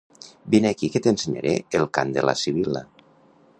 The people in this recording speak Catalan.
Vine aquí que t'ensenyaré el cant de la Sibil·la